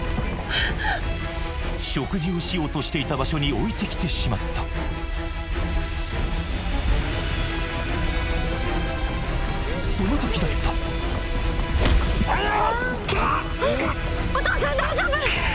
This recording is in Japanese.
食事をしようとしていた場所に置いてきてしまったその時だったアイタッお父さん大丈夫？